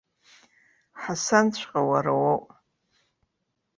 Ҳасанҵәҟьа уара уоуп!